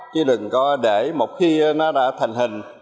chứ đừng có để một khi nó đã thành hình